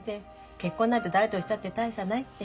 結婚なんて誰としたって大差ないって。